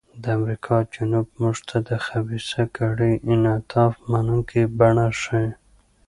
د امریکا جنوب موږ ته د خبیثه کړۍ انعطاف منونکې بڼه ښيي.